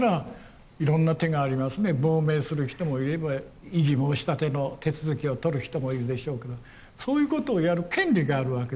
亡命する人もいれば異議申し立ての手続きを取る人もいるでしょうけどそういうことをやる権利があるわけですね。